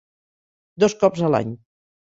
Dos cops a l'any.